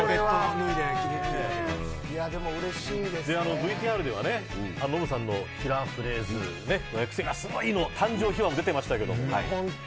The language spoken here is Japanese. ＶＴＲではノブさんのキラーフレーズクセがスゴいの誕生秘話も出てましたけど。